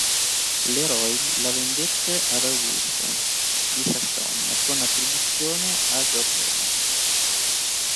Le Roy la vendette ad Augusto di Sassonia, con attribuzione a Giorgione.